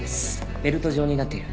ベルト状になっている。